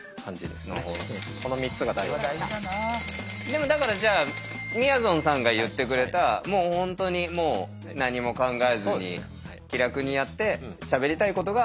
でもだからじゃあみやぞんさんが言ってくれた本当にもう何も考えずに気楽にやってしゃべりたいことがワッと出てきた。